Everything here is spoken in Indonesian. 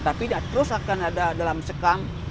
tapi terus akan ada dalam sekam